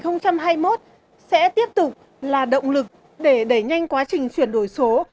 năm hai nghìn hai mươi một sẽ tiếp tục là động lực để đẩy nhanh quá trình chuyển đổi số